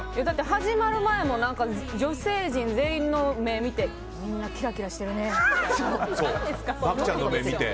始まる前も女性陣全員の目を見てみんなキラキラしてるねって。